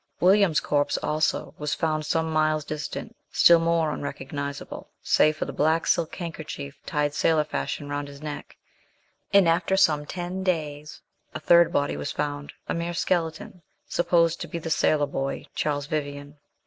Williams's corpse, also, was found some miles distant, still more unrecognisable, save for the black silk handkerchief tied sailor fashion round his neck; and after some ten days a third body was found, a mere skeleton, supposed to be the sailor boy, Charles Vivian.